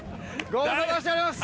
ご無沙汰しております